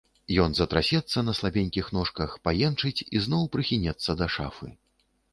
Ён затрасецца на слабенькіх ножках, паенчыць і зноў прыхінецца да шафы.